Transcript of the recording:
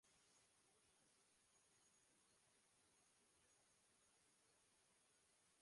অর্থাৎ এটি ভৌত শরীর থেকে তার পরিচয়ের পার্থক্যকে নির্দেশ করে।